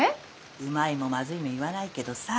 うまいもまずいも言わないけどさ。